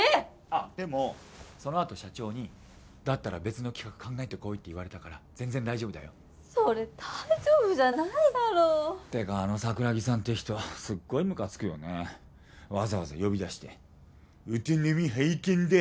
あっでもそのあと社長にだったら別の企画考えてこいって言われたから全然大丈夫だよそれ大丈夫じゃないだろってかあの桜木さんって人すごいムカつくよねわざわざ呼び出してお手並み拝見だ